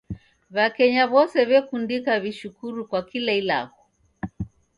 W'akenya w'ose wekundika w'ishukuru kwa kila ilagho